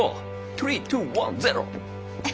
トゥリートゥワンゼロ！